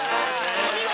お見事！